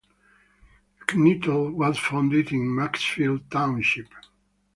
Knittel was founded in Maxfield Township.